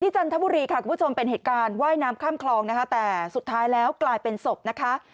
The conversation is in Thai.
จันทบุรีค่ะคุณผู้ชมเป็นเหตุการณ์ว่ายน้ำข้ามคลองนะคะแต่สุดท้ายแล้วกลายเป็นศพนะคะ